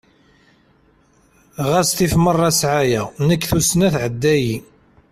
Ɣas tif meṛṛa sɛaya, nekk tussna tɛedda-yi.